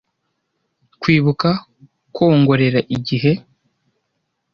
Kwibuka, kwongorera igihe.